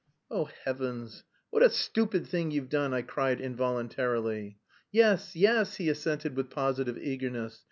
"Oh, heavens! What a stupid thing you've done!" I cried involuntarily. "Yes, yes," he assented with positive eagerness.